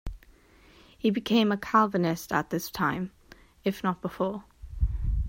He became a Calvinist at this time, if not before.